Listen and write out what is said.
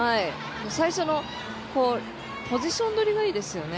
最初のポジション取りがいいですよね。